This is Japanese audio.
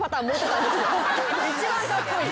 一番カッコイイ。